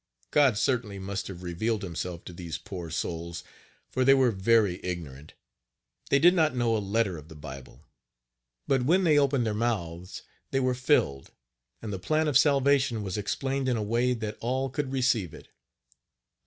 God certainly must have Page 53 revealed himself to these poor souls, for they were very ignorant they did not know a letter of the Bible. But when they opened their mouths they were filled, and the plan of Salvation was explained in a way that all could receive it.